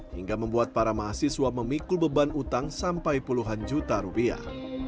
hingga membuat para mahasiswa memikul beban utang sampai puluhan juta rupiah